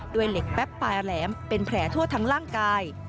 เหล็กแป๊บปลายแหลมเป็นแผลทั่วทั้งร่างกาย